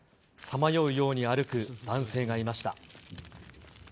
さまようように歩く男性がいました。